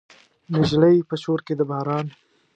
نجلۍ په شور کې د باران